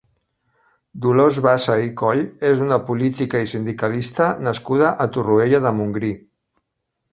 Dolors Bassa i Coll és una política i sindicalista nascuda a Torroella de Montgrí.